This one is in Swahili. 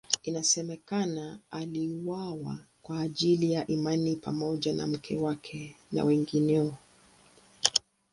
Inasemekana aliuawa kwa ajili ya imani pamoja na mke wake na wengineo.